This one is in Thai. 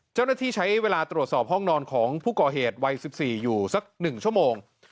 เจ้าหน้าที่ใช้เวลาตรวจสอบห้องนอนของผู้ก่อเหตุวัย๑๔อยู่สัก๑ชั่วโมง